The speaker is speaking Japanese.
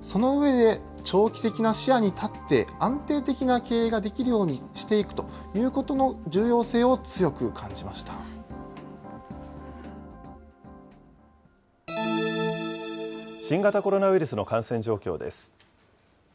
その上で、長期的な視野に立って、安定的な経営ができるようにしていくということの重要性を強く感新型コロナウイルスの感染状況です。